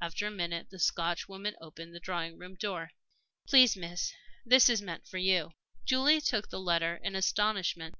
After a minute the Scotchwoman opened the drawing room door. "Please, miss, is this meant for you?" Julie took the letter in astonishment.